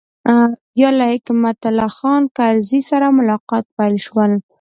بیا له حکمت الله خان کرزي سره ملاقاتونه پیل شول.